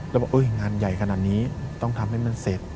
แล้วบอกงานใหญ่ขนาดนี้ต้องทำให้มันเสร็จ